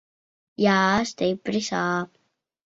Jā, stipri sāp.